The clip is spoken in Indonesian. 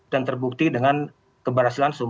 dan terbukti dengan keberhasilan sosial